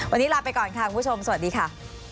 วันนี้ลาไปก่อนค่ะคุณผู้ชมสวัสดีค่ะ